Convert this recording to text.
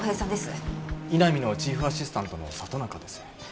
井波のチーフアシスタントの里中です。